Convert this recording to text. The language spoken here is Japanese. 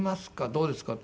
どうですか？」